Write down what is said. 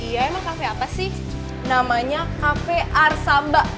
iya emang kafe apa sih namanya kafe arsamba